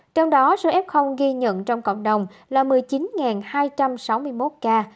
trong đó số f ghi nhận trong cộng đồng là một mươi chín hai trăm sáu mươi một ca